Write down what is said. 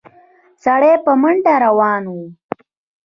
سړی په منډه روان و.